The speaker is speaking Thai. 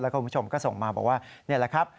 คุณผู้ชมก็ส่งมาบอกว่านี่แหละครับ